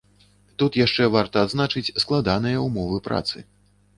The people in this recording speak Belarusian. Тут яшчэ варта адзначыць складаныя ўмовы працы.